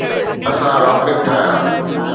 اسان راکٽ ٺاهيا.